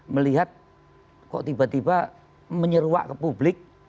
melihat kok tiba tiba menyeruak ke publik